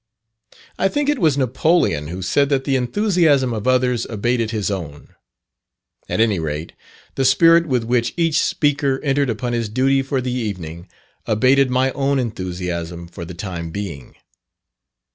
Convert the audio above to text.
I think it was Napoleon who said that the enthusiasm of others abated his own. At any rate, the spirit with which each speaker entered upon his duty for the evening, abated my own enthusiasm for the time being.